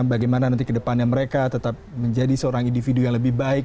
bagaimana nanti kedepannya mereka tetap menjadi seorang individu yang lebih baik